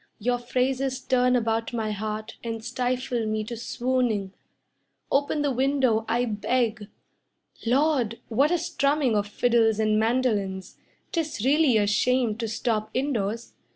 Your phrases turn about my heart And stifle me to swooning. Open the window, I beg. Lord! What a strumming of fiddles and mandolins! 'Tis really a shame to stop indoors.